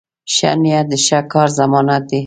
ښه نیت د ښه کار ضمانت دی.